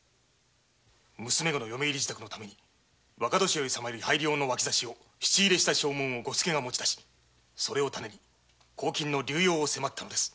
娘の嫁入り支度のために若年寄様より拝領の脇差を質入れした証文を吾助が持ち出しそれをタネに公金の流用を迫ったのです。